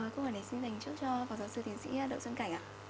câu hỏi này xin đành trước cho phó giáo sư tiến sĩ đậu sơn cảnh